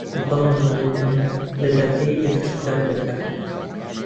بەڵام دەڵێت ئەم لە دادگای ئێرە شکات دەکات